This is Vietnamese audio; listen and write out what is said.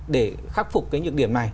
để khắc phục cái nhược điểm này